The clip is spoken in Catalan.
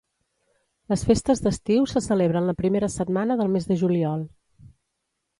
Les Festes d'Estiu se celebren la primera setmana del mes de juliol.